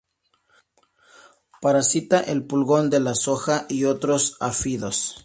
Parasita el pulgón de la soja y otros áfidos.